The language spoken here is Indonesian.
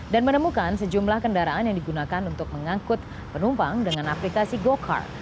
dan menemukan sejumlah kendaraan yang digunakan untuk mengangkut penumpang dengan aplikasi gocar